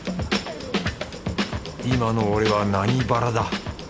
今の俺は何腹だ？